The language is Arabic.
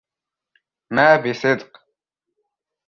ما بصدق